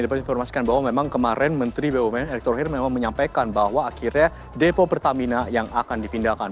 dapat informasikan bahwa memang kemarin menteri bumn erick thohir memang menyampaikan bahwa akhirnya depo pertamina yang akan dipindahkan